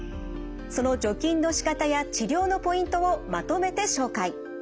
その除菌のしかたや治療のポイントをまとめて紹介。